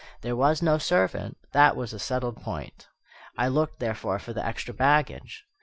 There was no servant, that was a settled point. I looked, therefore, for the extra baggage.